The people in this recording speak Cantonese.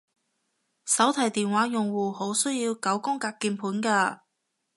手提電話用戶好需要九宮格鍵盤㗎